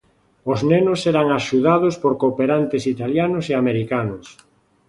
Os nenos eran axudados por cooperantes italianos e americanos.